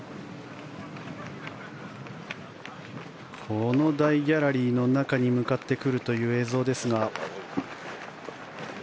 この大ギャラリーの中に向かってくるという映像ですが。